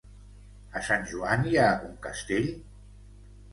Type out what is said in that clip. A Sant Joan hi ha un castell?